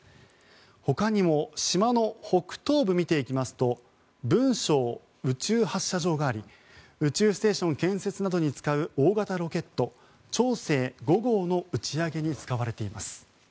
ほかにも島の北東部を見ていきますと文昌宇宙発射場があり宇宙ステーション建設などに使う大型ロケット、長征５号の打ち上げに使われています。